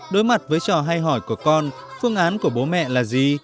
đối mặt với trò hay hỏi của con phương án của bố mẹ là gì